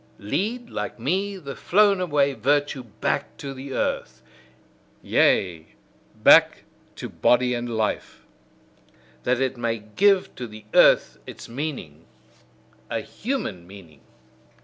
Lead, like me, the flown away virtue back to the earth yea, back to body and life: that it may give to the earth its meaning, a human meaning!